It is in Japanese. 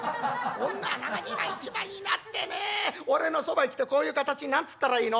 「女は長襦袢一枚になってねえ俺のそばへ来てこういう形何つったらいいの？